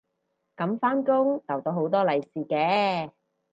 噉返工逗到好多利是嘅